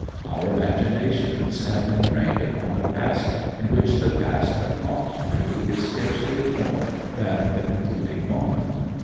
Our imaginations have been trained upon a past in which the past that Comte knew is scarcely more than the concluding moment.